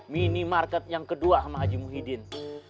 mini market yang kedua sama haji muhyiddin